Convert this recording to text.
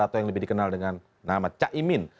atau yang lebih dikenal dengan nama caimin